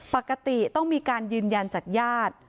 ปกติต้องมีการยืนยันจากญาติ